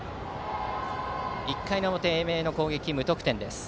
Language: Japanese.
１回の表、英明の攻撃は無得点です。